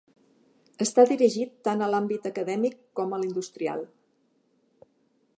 Està dirigit tant a l'àmbit acadèmic com a l'industrial.